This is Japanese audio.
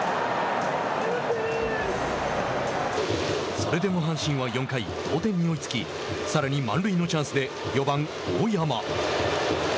それでも阪神は４回同点に追いつきさらに満塁のチャンスで４番大山。